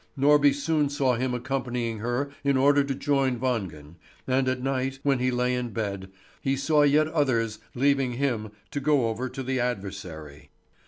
Norby soon saw him accompanying her in order to join Wangen, and at night, when he lay in bed, he saw yet others leaving him to go over to the adversary.